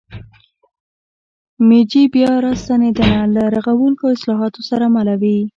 میجي بیا راستنېدنه له رغوونکو اصلاحاتو سره مله وه.